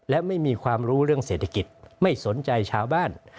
และไม่มีความรู้เรื่องเศรษฐกิจไม่สนใจชาวบ้าน